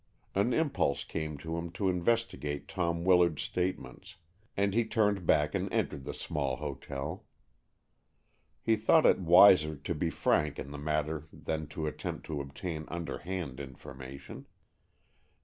An impulse came to him to investigate Tom Willard's statements, and he turned back and entered the small hotel. He thought it wiser to be frank in the matter than to attempt to obtain underhand information.